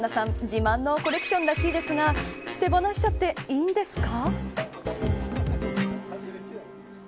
自慢のコレクションらしいですが手放しちゃっていいんですか。